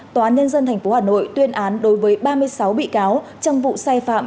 tòa án nhân dân tp hà nội tuyên án đối với ba mươi sáu bị cáo trong vụ sai phạm